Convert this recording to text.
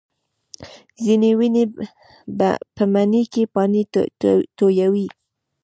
ځینې ونې په مني کې پاڼې تویوي